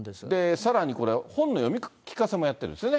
さらにこれ、本の読み聞かせもやってるんですね。